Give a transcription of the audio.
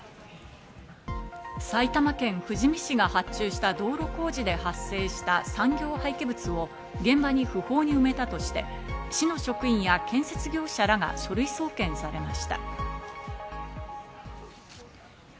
埼玉県富士見市が発注した道路工事で発生した産業廃棄物を現場に不法に埋めたとして市の職員や建設業者らが書類送検されました。